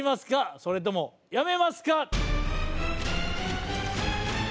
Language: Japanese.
それともやめますか？